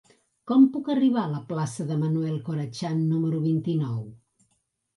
Com puc arribar a la plaça de Manuel Corachan número vint-i-nou?